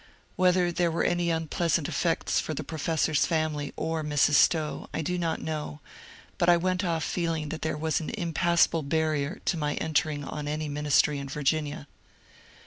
Whether there were any unpleasant effects for the professor's family or Mrs. Stowe I do not know, but I went off feeling that there was an impassable barrier to my entering on any ministry in Virginia.